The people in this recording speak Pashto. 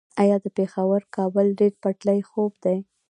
آیا د پیښور - کابل ریل پټلۍ خوب دی؟